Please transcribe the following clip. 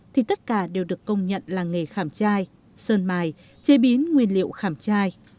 thì tất cả đều được công nhận làng nghề khảm trai sơn mài chế biến nguyên liệu khảm trai